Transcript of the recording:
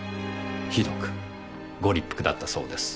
ひどくご立腹だったそうです。